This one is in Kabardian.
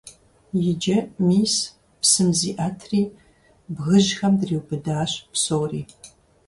Иджы, мис, псым зиӀэтри, бгыжьхэм дриубыдащ псори.